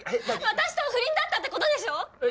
私とは不倫だったってことでしょう！？